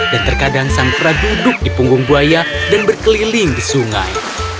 dan terkadang sang kera duduk di punggung buaya dan berkeliling di sungai